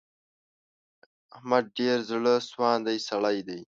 احمد ډېر زړه سواندی سړی دی.